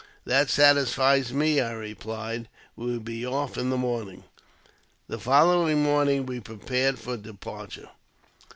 " That satisfies me," I replied : "we will be off in the morning." The following morning we prepared for departure.